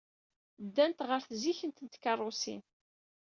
Ddant ɣer tzikkent n tkeṛṛusin.